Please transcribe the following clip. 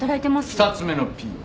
２つ目のＰは？